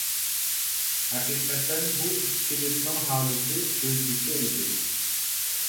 ھەقىقەتەن بۇ ئىسكىلىتنىڭ ھالىتى ئۆزگىچە ئىدى.